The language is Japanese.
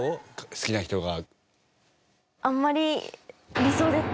好きな人が。